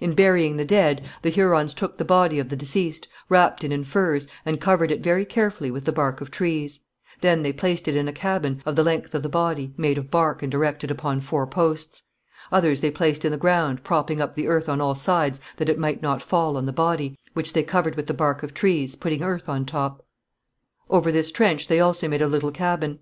In burying the dead, the Hurons took the body of the deceased, wrapped it in furs, and covered it very carefully with the bark of trees. Then they placed it in a cabin, of the length of the body, made of bark and erected upon four posts. Others they placed in the ground, propping up the earth on all sides that it might not fall on the body, which they covered with the bark of trees, putting earth on top. Over this trench they also made a little cabin.